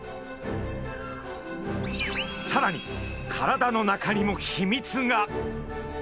さらに体の中にも秘密が！